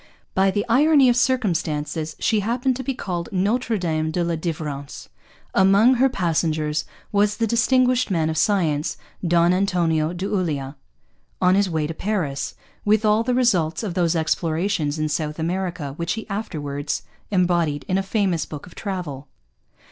By the irony of circumstances she happened to be called Notre Dame de la Delivrance. Among her passengers was the distinguished man of science, Don Antonio de Ulloa, on his way to Paris, with all the results of those explorations in South America which he afterwards embodied in a famous book of travel.